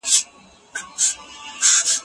موږ باید د عدالت لپاره مبارزه وکړو.